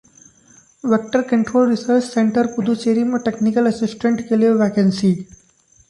vector control research centre Puducherry में technical assistant के लिए वैकेंसी